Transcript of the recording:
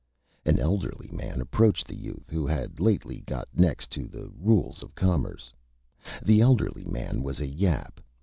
An elderly Man approached the Youth who had lately got next to the Rules of Commerce. The elderly Man was a Yap.